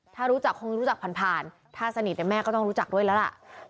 ถ้ารู้จักคงรู้จักผ่านผ่านถ้าสนิทแม่ก็ต้องรู้จักด้วยแล้วล่ะ